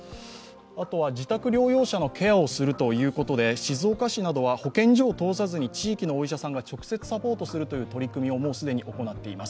あとは自宅療養者のケアをするということで、静岡市などは保健所を通さずに地域のお医者さんが直接サポートするという取り組みを既に行っています。